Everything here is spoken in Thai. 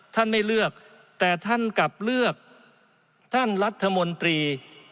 ท่านไม่เลือกแต่ท่านกลับเลือกท่านรัฐมนตรี